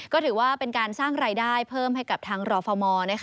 ก็ถือว่าเป็นการสร้างรายได้เพิ่มให้กับทางรฟม